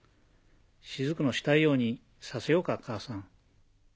雫のしたいようにさせようかかあさん。